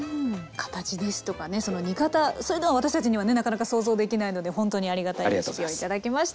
形ですとかねその煮方そういうのは私たちにはねなかなか想像できないのでほんとにありがたいレシピを頂きました。